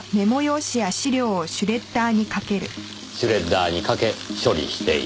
シュレッダーにかけ処理していた。